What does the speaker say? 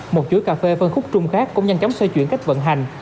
một chuỗi cà phê phân khúc trung khác cũng nhanh chóng xoay chuyển cách vận hành